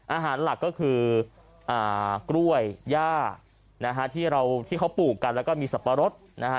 อาหารหลักก็คือกล้วยย่านะฮะที่เราที่เขาปลูกกันแล้วก็มีสับปะรดนะฮะ